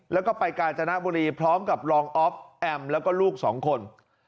แล้วก็ไปกาญจนบุรีพร้อมกับรองออฟแอมแล้วก็ลูกสองคน